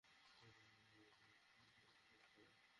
কয়েক দিনের মাথায় ফেসবুকে বন্ধু হিসেবে নাফিসা যুক্ত করে নেন আসিফকে।